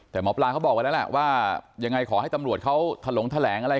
แต่หมอปลาเขาบอกไว้แล้วล่ะว่ายังไงขอให้ตำรวจเขาถลงแถลงอะไร